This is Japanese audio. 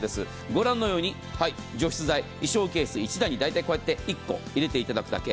ご覧のように除湿剤、衣装ケース１台に大体１個、入れていただくだけ。